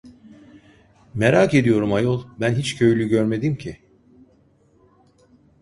Merak ediyorum ayol, ben hiç köylü görmedim ki!